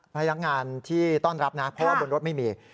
พนักงานที่ต้อนรับนะเพราะว่าบนรถไม่มี